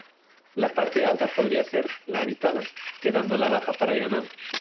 La parte alta podría ser la habitada, quedando la baja para el ganado.